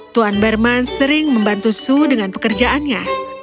tuan berman sering membantu su dengan pekerjaannya